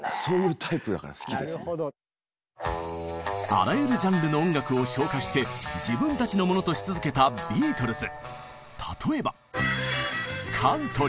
あらゆるジャンルの音楽を消化して自分たちのものとし続けたビートルズ。